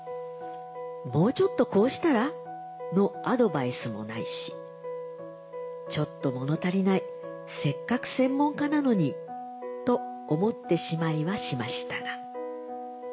『もうちょっとこうしたら？』のアドバイスもないし『ちょっと物足りないせっかく専門家なのに』と思ってしまいはしましたが。